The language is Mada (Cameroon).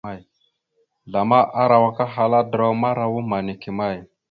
Zlama arawak ahala: draw marawa mamma neke may ?